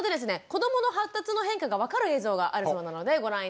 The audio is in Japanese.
子どもの発達の変化がわかる映像があるそうなのでご覧頂きましょう。